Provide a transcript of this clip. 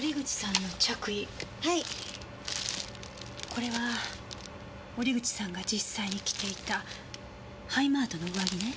これは折口さんが実際に着ていたハイマートの上着ね。